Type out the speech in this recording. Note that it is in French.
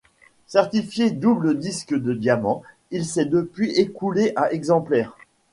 Certifié double disque de diamant, il s'est depuis écoulé à exemplaires.